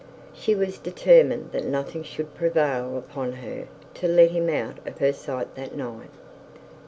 She was determined that nothing should prevail upon her to let him out of her sight that night.